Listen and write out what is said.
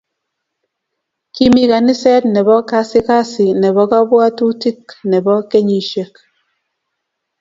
Kimi kaniset nebo kasikasi nebo kabwatutik nebo kenyisiek